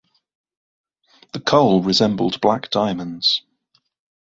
The coal resembled black diamonds.